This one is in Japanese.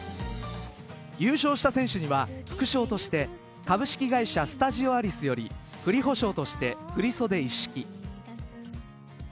優勝した選手には副賞として株式会社スタジオアリスよりふりホ賞として振り袖一式。